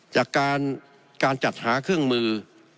จากการจัดหาเครื่องมือ